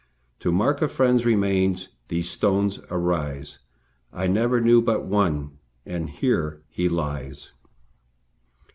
To mark a friend's remains these stones arise: I never knew but one, and here he lies."